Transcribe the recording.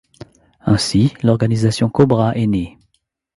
Ainsi, l'organisation Cobra est née.